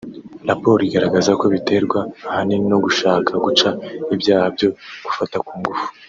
raporo igaragaza ko biterwa ahanini no gushaka guca ibyaha byo gufata ku ngufu